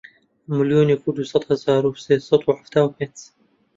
ملیۆنێک و دوو سەد هەزار و سێ سەد و حەفتا و پێنج